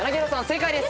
正解です。